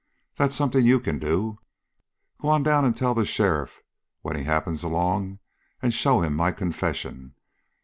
That's something you can do. Go down and tell the sheriff when he happens along and show him my confession.